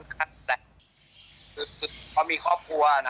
คือพอมีครอบครัวนะ